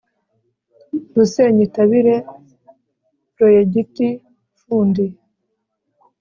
RusenyiItabire Proyegiti Fundi